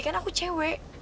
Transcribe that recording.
kan aku cewek